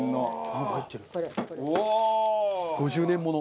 中丸：５０年もの！